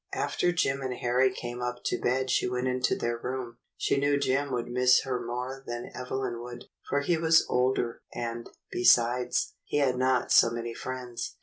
After Jim and Harry came up to bed she went into their room. She knew Jim would miss her more than Evelyn would, for he was older, and, besides, he had not so many friends.